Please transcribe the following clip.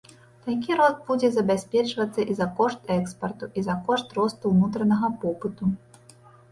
Такі рост будзе забяспечвацца і за кошт экспарту, і за кошт росту ўнутранага попыту.